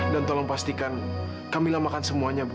dan tolong pastikan kamila makan semuanya bu